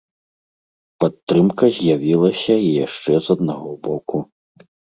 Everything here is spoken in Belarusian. Падтрымка з'явілася і яшчэ з аднаго боку.